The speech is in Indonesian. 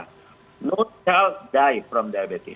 tidak ada yang mati dari diabetes